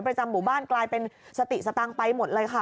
หมู่บ้านกลายเป็นสติสตังค์ไปหมดเลยค่ะ